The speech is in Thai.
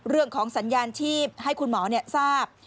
เรื่องของสัญญาณชีพให้คุณหมอทราบ